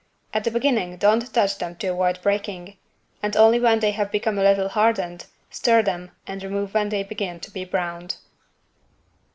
At the beginning don't touch them to avoid breaking, and only when they have become a little hardened stir them and remove when they begin to be browned.